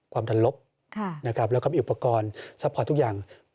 ความดันลบแล้วก็มีอุปกรณ์ซัพพอร์ตทุกอย่าง